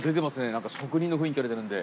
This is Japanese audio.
何か職人の雰囲気が出てるんで。